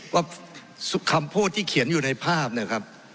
ว่าคำพูดที่เขียนอยู่ในภาพเนี่ยครับ